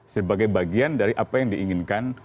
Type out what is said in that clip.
sebagai bagian dari apa yang diinginkan